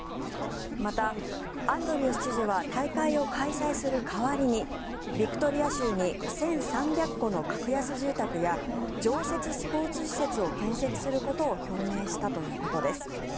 また、アンドリュース知事は大会を開催する代わりにビクトリア州に１３００戸の格安住宅や常設スポーツ施設を建設することを表明したということです。